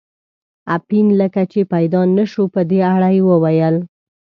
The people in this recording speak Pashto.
اپین لکه چې پیدا نه شو، په دې اړه یې وویل.